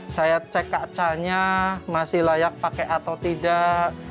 saya cek kacanya masih layak pakai atau tidak